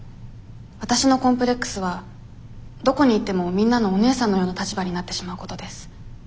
わたしのコンプレックスはどこに行ってもみんなのお姉さんのような立場になってしまうことです。